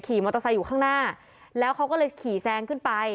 มอเตอร์ไซค์อยู่ข้างหน้าแล้วเขาก็เลยขี่แซงขึ้นไป